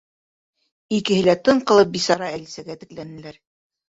Икеһе лә тын ҡалып, бисара Әлисәгә текләнеләр.